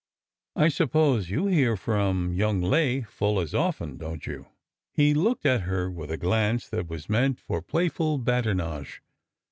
I suppose you hear from young Lay full as often, don't you ?" He looked at her with a glance that was meant for playful badinage.